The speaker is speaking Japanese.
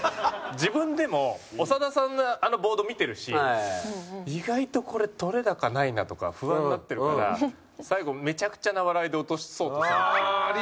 自分でも長田さんのあのボード見てるし意外とこれ撮れ高ないなとか不安になってるから最後めちゃくちゃな笑いで落とそうとするっていう。